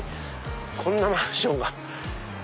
こんなマンションが。